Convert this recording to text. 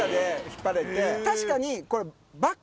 確かにこれ。